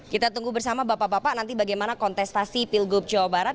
kita tunggu bersama bapak bapak nanti bagaimana kontestasi pilgub jawa barat